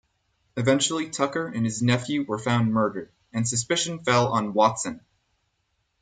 Eventually Tucker and his nephew were found murdered, and suspicion fell on Watson.